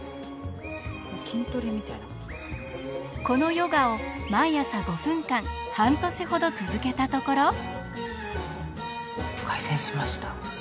このヨガを毎朝５分間半年ほど続けたところ。